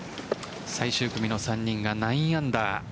最終組の３人が９アンダー。